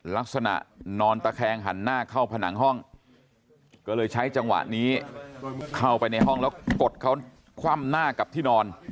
ลักษณะนอนตะแคงหันหน้าเข้าผนังห้องก็เลยใช้จังหวะนี้เข้าไปในห้องแล้วกดเขาคว่ำหน้ากับที่นอน